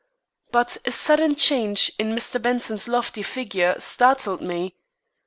But a sudden change in Mr. Benson's lofty figure startled me.